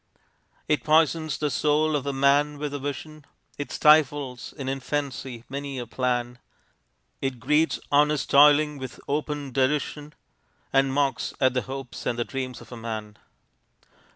It poisons the soul of the man with a vision, It stifles in infancy many a plan; It greets honest toiling with open derision And mocks at the hopes and the dreams of a man.